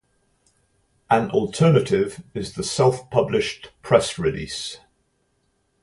An alternative is the "self-published press release".